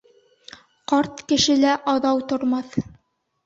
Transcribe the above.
Ҡарт кешелә аҙау тормаҫ.